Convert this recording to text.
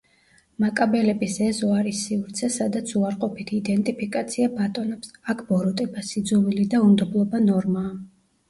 მაკაბელების ეზო არის სივრცე, სადაც უარყოფითი იდენტიფიკაცია ბატონობს, აქ ბოროტება, სიძულვილი და უნდობლობა ნორმაა.